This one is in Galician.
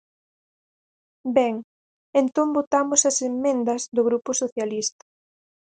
Ben, entón votamos as emendas do Grupo Socialista.